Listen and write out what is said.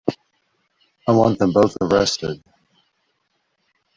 I want them both arrested.